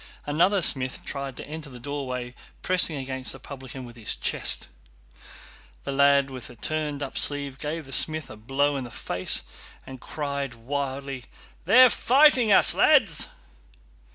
Another smith tried to enter the doorway, pressing against the publican with his chest. The lad with the turned up sleeve gave the smith a blow in the face and cried wildly: "They're fighting us, lads!"